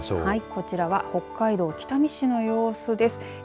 こちらは北海道北見市の様子です。